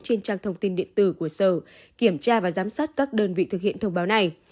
trên trang thông tin điện tử của sở kiểm tra và giám sát các đơn vị thực hiện thông báo này